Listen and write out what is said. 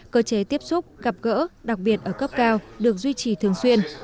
cơ chế tiếp xúc gặp gỡ đặc biệt ở cấp cao được duy trì thường xuyên